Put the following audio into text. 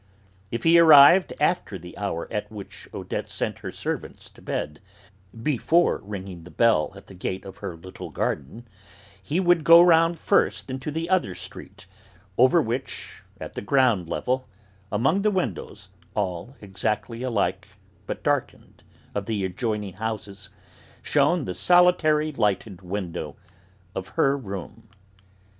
If he arrived after the hour at which Odette sent her servants to bed, before ringing the bell at the gate of her little garden, he would go round first into the other street, over which, at the ground level, among the windows (all exactly alike, but darkened) of the adjoining houses, shone the solitary lighted window of her room.